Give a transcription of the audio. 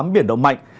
biển động mạnh